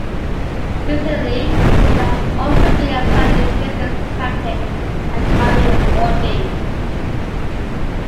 Recently they have also been applied to business tactics and hobby wargaming.